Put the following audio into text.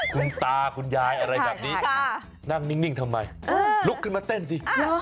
คุณตาคุณยายอะไรแบบนี้นั่งนิ่งทำไมลุกขึ้นมาเต้นสิ